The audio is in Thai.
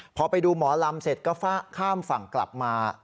พอไปดูหมอลำเสร็จก็ข้ามฝั่งกลับมา